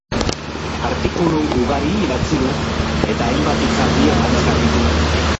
Artikulu ugari idatzi du eta hainbat hitzaldi eman izan ditu.